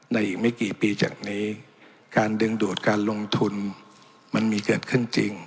อีกไม่กี่ปีจากนี้การดึงดูดการลงทุนมันมีเกิดขึ้นจริง